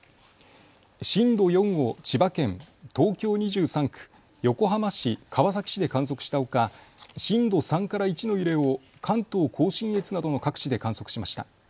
震度４を千葉県、東京２３区、横浜市、川崎市で観測したほか、震度３から１の揺れを関東甲信越などの各地で観測しました。